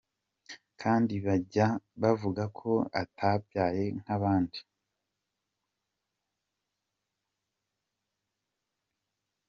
Kandi bajya bavuga ko atabyawe nk’abandi!”.